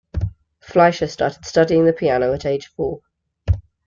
Fleisher started studying the piano at age four.